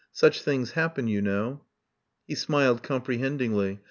Such things happen, you know." He smiled comprehendingly.